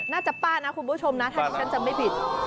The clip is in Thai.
น่าจะป้านะคุณผู้ชมนะถ้าเดี๋ยวฉันจำไม่ผิด